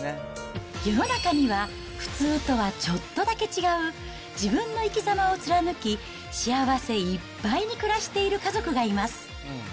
世の中には普通とはちょっとだけ違う自分の生きざまを貫き、幸せいっぱいに暮らしている家族がいます。